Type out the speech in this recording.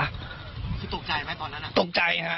คุณตกใจไหมตอนนั้นน่ะ